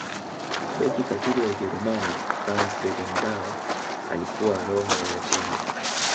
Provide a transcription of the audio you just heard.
beki katili wa ujerumani franz beckenbauer alikuwa roho ya timu